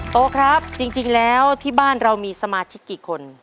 โตครับจริงแล้วที่บ้านเรามีสมาชิกกี่คน